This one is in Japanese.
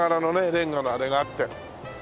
レンガのあれがあって。